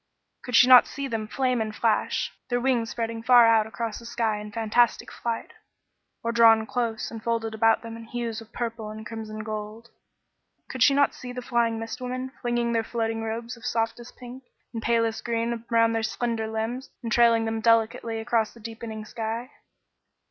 Could she not see them flame and flash, their wings spreading far out across the sky in fantastic flight, or drawn close and folded about them in hues of purple and crimson and gold? Could she not see the flying mist women flinging their floating robes of softest pink and palest green around their slender limbs, and trailing them delicately across the deepening sky?